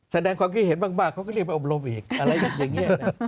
แสดงความคิดเห็นบ้างเขาก็เรียกไปอบรมอีกอะไรอย่างนี้